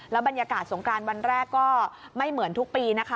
บรรยากาศสงกรานวันแรกก็ไม่เหมือนทุกปีนะคะ